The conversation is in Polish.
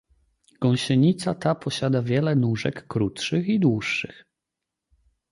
"Gąsienica ta posiada wiele nóżek krótszych i dłuższych."